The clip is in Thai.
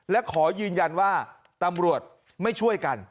และขอยืนยันว่าตำรวจไม่ช่วยกัน